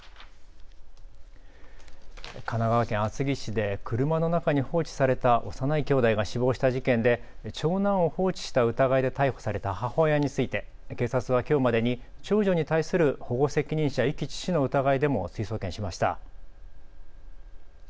神奈川県厚木市で車の中に放置された幼いきょうだいが死亡した事件で長男を放置した疑いで逮捕された母親について警察はきょうまでに長女に対する保護責任者遺棄致死の疑いでも追送検しました。